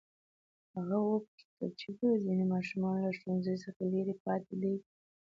هغه وپوښتل چې ولې ځینې ماشومان له ښوونځي څخه لرې پاتې دي.